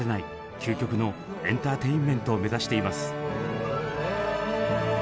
究極のエンターテインメントを目指しています。